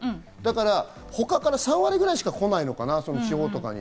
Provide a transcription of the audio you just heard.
だから他から３割くらいしかこないかな、地方とかに。